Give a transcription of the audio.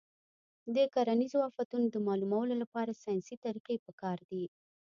د کرنیزو آفتونو د معلومولو لپاره ساینسي طریقې پکار دي.